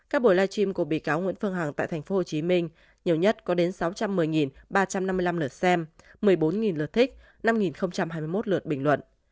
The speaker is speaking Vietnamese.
các buổi live stream của bị cáo nguyễn phương hằng tại tp hcm nhiều nhất có đến sáu trăm một mươi ba trăm năm mươi năm lượt xem một mươi bốn lượt thích năm hai mươi một lượt bình luận